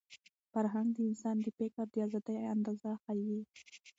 فرهنګ د انسان د فکر د ازادۍ اندازه ښيي.